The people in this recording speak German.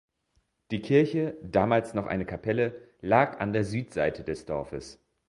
Die Kirche, damals noch eine Kapelle, lag an der Südseite des Dorfes.